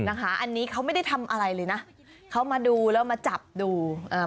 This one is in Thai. นะคะอันนี้เขาไม่ได้ทำอะไรเลยนะเขามาดูแล้วมาจับดูอ่า